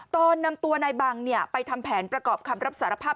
ตอนนำตัวนายบังไปทำแผนประกอบคำรับสารภาพ